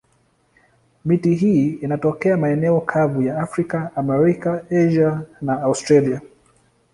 Miti hii inatokea maeneo kavu ya Afrika, Amerika, Asia na Australia.